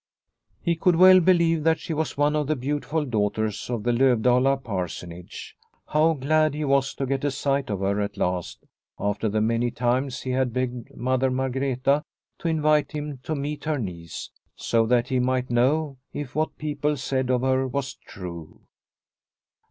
He could well believe that she was one of the beautiful daughters of the Lovdala parsonage. How glad he was to get a sight of her at last, after the many times he had begged Mother Margreta to invite him to meet her niece, so that he might know if what people said of her was true.